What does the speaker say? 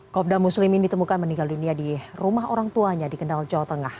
kopda muslimin ditemukan meninggal dunia di rumah orang tuanya di kendal jawa tengah